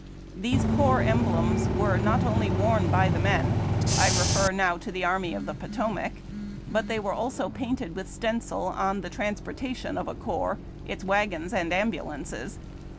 These corps emblems were not only worn by the men, — I refer now to the Army of the Potomac, — but they were also painted with stencil on the transportation of a corps, its wagons and ambulances.